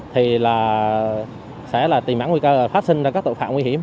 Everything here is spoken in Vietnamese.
thì sẽ là tìm bản nguy cơ phát sinh ra các tội phạm nguy hiểm